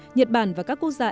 nhật bản và các quốc gia